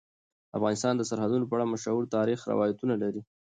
افغانستان د سرحدونه په اړه مشهور تاریخی روایتونه لري.